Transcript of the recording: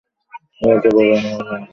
রাজা বা রাণী হলেন রাষ্ট্রের প্রধান।